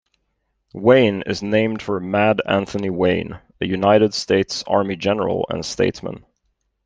Wayne is named for Mad Anthony Wayne a United States Army general and statesman.